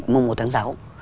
mùng một tháng sáu